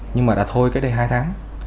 nhưng mà đã thôi cách đây hai tháng